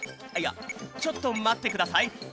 いやちょっとまってください。